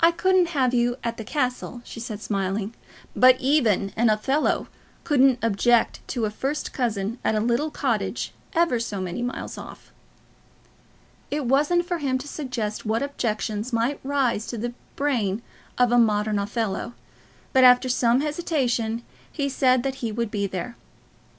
"I couldn't have you at the castle," she said, smiling; "but even an Othello couldn't object to a first cousin at a little cottage ever so many miles off." It wasn't for him to suggest what objections might rise to the brain of a modern Othello; but after some hesitation he said that he would be there.